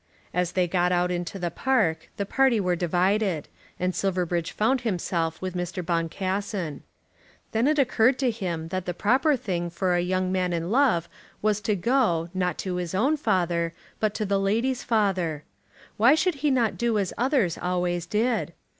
As they got out into the park the party were divided, and Silverbridge found himself with Mr. Boncassen. Then it occurred to him that the proper thing for a young man in love was to go, not to his own father, but to the lady's father. Why should not he do as others always did?